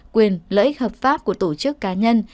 quyền lợi ích hợp pháp của tổ chức cá nhân